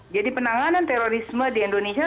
jadi penanganan terorisme di indonesia